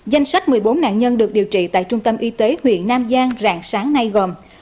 danh sách một mươi bốn nạn nhân được điều trị tại trung tâm y tế huyện nam giang rạng sáng nay gồm